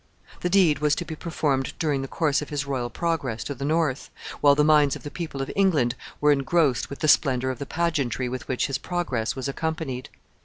The deed was to be performed during the course of his royal progress to the north, while the minds of the people of England were engrossed with the splendor of the pageantry with which his progress was accompanied.